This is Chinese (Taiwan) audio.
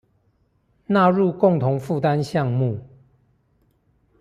納入共同負擔項目